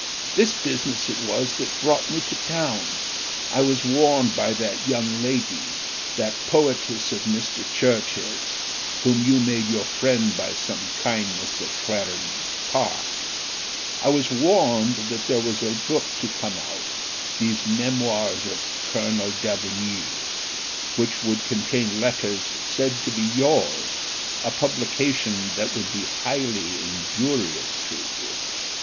This business it was that brought me to town. I was warned by that young lady, that poetess of Mr. Churchill's, whom you made your friend by some kindness at Clarendon Park I was warned that there was a book to come out, these Memoirs of Colonel D'Aubigny, which would contain letters said to be yours, a publication that would be highly injurious to you.